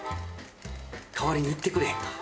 代わりに行ってくれへんか？